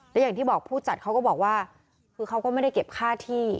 และอย่างที่บอกผู้จัดเขาก็บอกว่าคือเขาก็ไม่ได้เก็บค่าที่